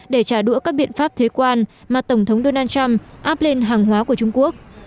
để trả đũa các biện pháp thuế quan mà tổng thống donald trump áp lên hàng hóa của trung quốc